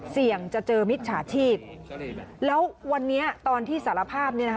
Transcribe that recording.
เสี่ยงจะเจอมิตรฉาชีพ